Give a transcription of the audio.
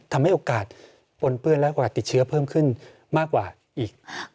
ทำให้โอกาสปนเปื้อนและกว่าติดเชื้อเพิ่มขึ้นมากกว่าอีก